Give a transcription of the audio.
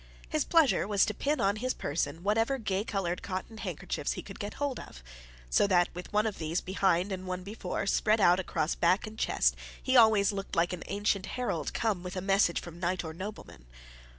His pleasure was to pin on his person whatever gay coloured cotton handkerchiefs he could get hold of; so that, with one of these behind and one before, spread out across back and chest, he always looked like an ancient herald come with a message from knight or nobleman.